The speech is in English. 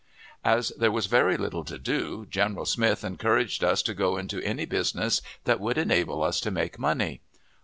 As there was very little to do, General Smith encouraged us to go into any business that would enable us to make money.